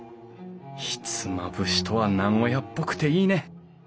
ひつまぶしとは名古屋っぽくていいね！